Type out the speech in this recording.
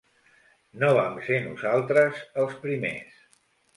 No vam ser nosaltres, els primers.